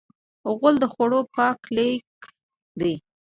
غول د خوړو پای لیک دی.